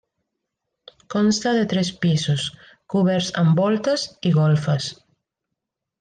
Consta de tres pisos, coberts amb voltes, i golfes.